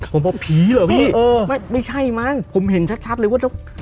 ผมบอกผีเหรอพี่เออไม่ไม่ใช่มั้งผมเห็นชัดชัดเลยว่าแล้ว